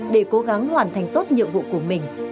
để cố gắng hoàn thành tốt nhiệm vụ của mình